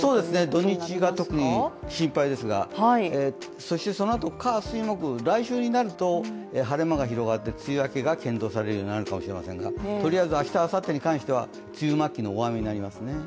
土日が特に心配ですが、そしてそのあと火、水、木、来週になると晴れ間が広がって、梅雨明けが検討されるようになるかもしれませんが、とりあえず明日、あさってに関しては梅雨末期の大雨になりますね。